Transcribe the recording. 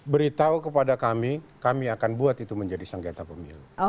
beritahu kepada kami kami akan buat itu menjadi sengketa pemilu